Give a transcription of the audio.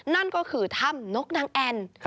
นั่นก็คือถ้ำนกนางแอ่น